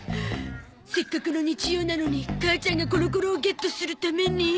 せっかくの日曜なのに母ちゃんがコロコロをゲットするために。